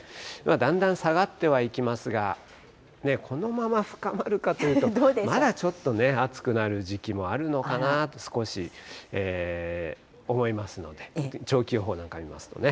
だんだん下がってはいきますが、このまま深まるかというと、まだちょっとね、暑くなる時期もあるのかなと、少し思いますので、長期予報なんか見ますとね。